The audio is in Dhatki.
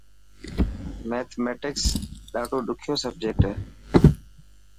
ميٿميٽڪس ڌاڏو ڏخيو سبجيڪٽ هي.